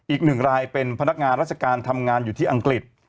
อีกหนึ่งรายเป็นพนักงานราชการทำงานอยู่ที่อังกฤษ